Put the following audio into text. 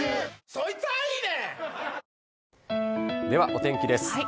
ではお天気です。